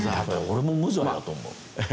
俺も無罪だと思う。